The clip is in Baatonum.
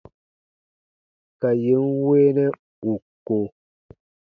Ka yè n weenɛ ù ko.